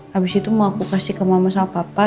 habis itu mau aku kasih ke mama sama papa